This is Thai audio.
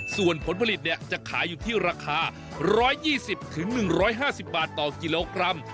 ส่วนผลผลิตจะขายอยู่ที่ราคา๑๒๐๑๕๐บาทต่อกิโลกรัม